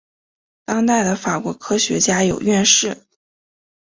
当代的法国科学院有院士。